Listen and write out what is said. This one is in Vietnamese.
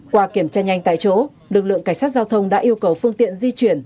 qua kiểm tra nhanh tại chỗ lực lượng cảnh sát giao thông đã yêu cầu phương tiện di chuyển